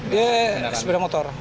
dia sepeda motor